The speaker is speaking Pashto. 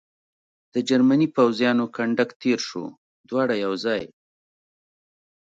د جرمني پوځیانو کنډک تېر شو، دواړه یو ځای.